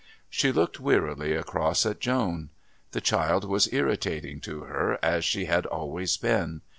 She looked wearily across at Joan. The child was irritating to her as she had always been.